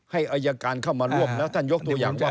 อายการเข้ามาร่วมแล้วท่านยกตัวอย่างว่า